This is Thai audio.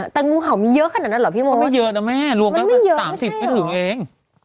แต่งูเห่ามันเยอะขนาดนั้นหรอพี่โมชไม่เยอะนะแม่รวมกัน๓๐ไม่ถึงเอง